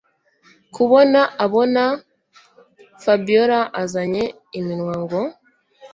kubona abona Fabiora azanye iminwa ngo